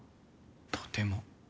とても。